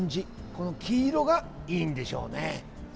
この黄色がいいんでしょうね。